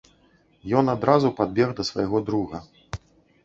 Ён адразу падбег да свайго друга.